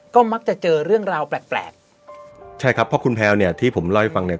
ก็มักจะเจอเรื่องราวแปลกแปลกใช่ครับเพราะคุณแพลวเนี่ยที่ผมเล่าให้ฟังเนี่ย